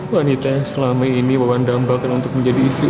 wanitanya selama ini bawa dambakan untuk menjadi istri itu